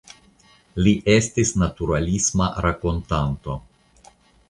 Li estis naturalisma rakontanto.